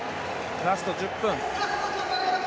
ラスト１０分。